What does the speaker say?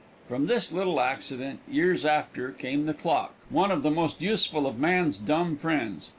From this little accident, years after, came the clock, one of the most useful of man's dumb friends.